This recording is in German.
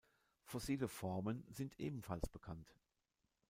Fossile Formen sind ebenfalls bekannt.